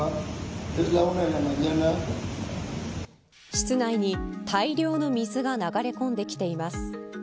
室内に大量の水が流れ込んできています。